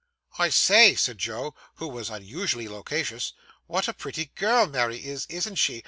'I say,' said Joe, who was unusually loquacious, 'what a pretty girl Mary is, isn't she?